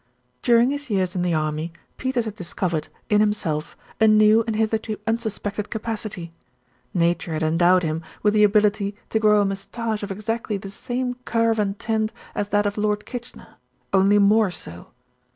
During his years in the army, Peters had discovered in himself a new and hitherto unsuspected capacity. Nature had endowed him with the ability to grow a THE GIRL AT THE WINDOW 17 moustache of exactly the same curve and tint as that of Lord Kitchener only more so.